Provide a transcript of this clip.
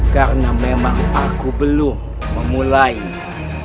karena memang aku belum memulainya